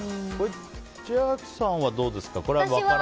千秋さんはどうですか？